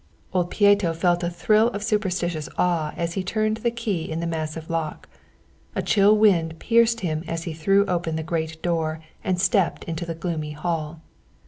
Old Pieto felt a thrill of superstitious awe as he turned the key in the massive lock. A chill wind pierced him as he threw open the great door and stepped into the gloomy hall.